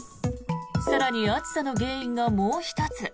更に暑さの原因がもう１つ。